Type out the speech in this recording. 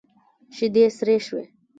شيدې سرې شوې.